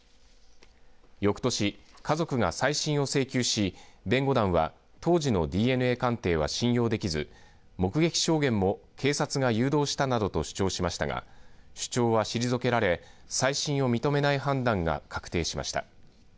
よくとし、家族が再審を請求し弁護団は、当時のＤＮＡ鑑定は信用できず目撃証言も警察が誘導したなどと主張しましたが主張は退けられ再審を認めない判断が確定しました。